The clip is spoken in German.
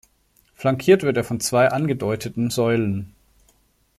Flankiert wird er von zwei angedeuteten Säulen.